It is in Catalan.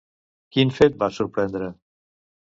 Quin fet va sorprendre?